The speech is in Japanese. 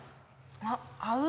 あっ合う！